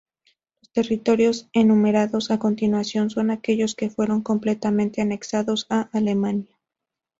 Los territorios enumerados a continuación son aquellos que fueron completamente anexados a Alemania.